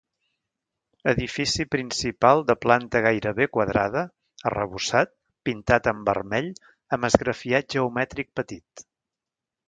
Edifici principal de planta gairebé quadrada, arrebossat, pintat en vermell, amb esgrafiat geomètric petit.